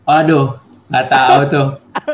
aduh nggak tahu tuh